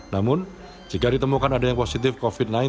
namun jika ditemukan ada yang positif covid sembilan belas